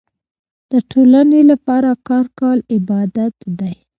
د ټولنې لپاره کار کول عبادت دی.